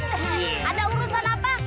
ada urusan apa